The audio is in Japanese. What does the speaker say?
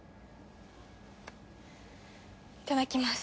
いただきます。